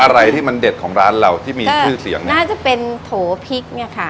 อะไรที่มันเด็ดของร้านเราที่มีชื่อเสียงน่าจะเป็นโถพริกเนี่ยค่ะ